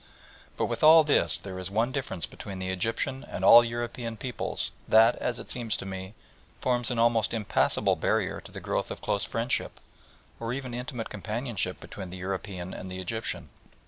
But with all this there is one difference between the Egyptian and all European peoples that, as it seems to me, forms an almost impassible barrier to the growth of close friendship, or even intimate companionship, between the European and the Egyptian.